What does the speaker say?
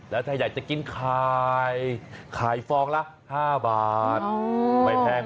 แล้วถ้าอยากจะกินขายฟองละ๕บาทไม่แพง